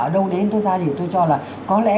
ở đâu đến tôi ra gì tôi cho là có lẽ